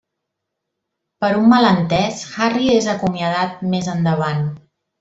Per un malentès, Harry és acomiadat més endavant.